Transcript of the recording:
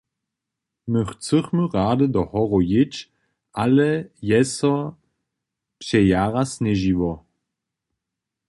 My chcychmy rady do horow jědź, ale je so přejara sněžiło.